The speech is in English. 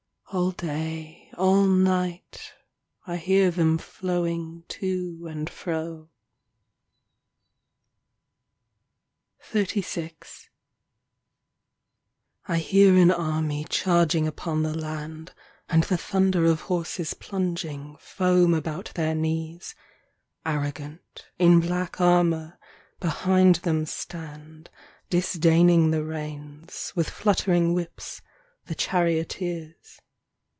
All day, all night, I hear them flowing To and fro. XXXVI I HEAR an army charging upon the land, And the thunder of horses plunging, foam about their knees : Arrogant, in black armour, behind them stand, Disdaining the reins, with fluttering whips, the charioteers.